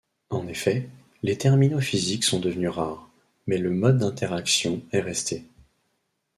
En effet, les terminaux physiques sont devenus rares, mais le mode d'interaction est resté.